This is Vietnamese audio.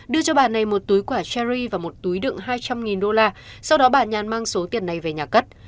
đưa cho bà này một túi quả cherry và một túi đựng hai trăm linh đô la sau đó bà nhàn mang số tiền này về nhà cất